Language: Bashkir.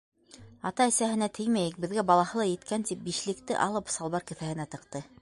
- Ата-әсәһенә теймәйек, беҙгә балаһы ла еткән, - тип бишлекте алып салбар кеҫәһенә тыҡты.